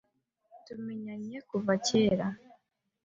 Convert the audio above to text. Tumenyanye kuva kera.